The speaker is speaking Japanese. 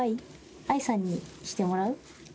愛さんにしてもらう？